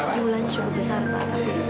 jumlahnya cukup besar mbak